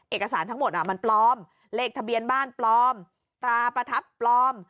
เอกสารทั้งหมดมันปลอมเลขทะเบียนบ้านปลอมตราประทับปลอม